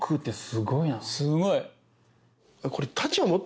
すごい。